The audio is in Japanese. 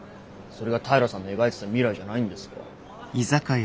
それが平さんの描いてた未来じゃないんですか？